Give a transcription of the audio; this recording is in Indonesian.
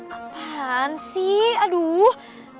apaan sih aduh